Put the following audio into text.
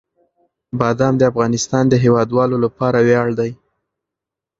بادام د افغانستان د هیوادوالو لپاره ویاړ دی.